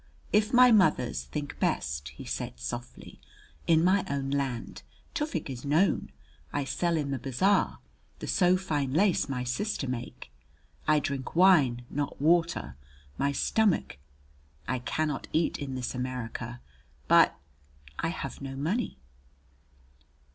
"If my mothers think best," he said softly. "In my own land Tufik is known I sell in the bazaar the so fine lace my sister make. I drink wine, not water. My stomach I cannot eat in this America. But I have no money."